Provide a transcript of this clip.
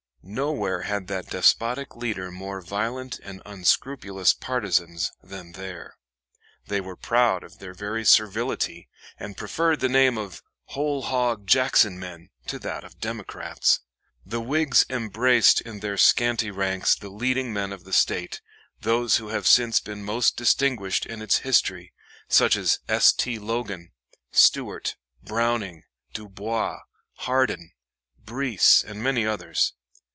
Nowhere had that despotic leader more violent and unscrupulous partisans than there. They were proud of their very servility, and preferred the name of "whole hog Jackson men" to that of Democrats. The Whigs embraced in their scanty ranks the leading men of the State, those who have since been most distinguished in its history, such as S. T. Logan, Stuart, Browning, Dubois, Hardin, Breese, and many others.